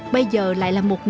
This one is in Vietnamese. bây giờ lại là người đàn ông